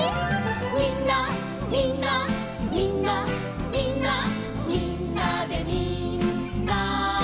「みんなみんなみんなみんなみんなでみんな」